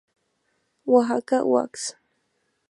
Oaxaca, Oax.